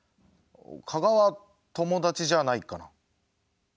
加賀は友達じゃないかな。